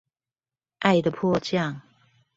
愛的迫降